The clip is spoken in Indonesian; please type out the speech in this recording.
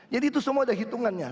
jadi itu semua ada hitungannya